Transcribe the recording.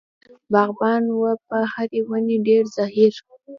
باغبان و په هرې ونې ډېر زهیر.